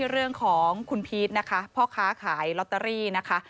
เรื่องของคุณพีชนะคะพ่อค้าขายลอตเตอรี่นะคะ